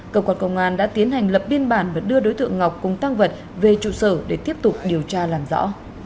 cơ quan công an đã tiến hành lập biên bản và đưa đối tượng ngọc cùng tăng vật về trụ sở để tiếp tục điều tra làm rõ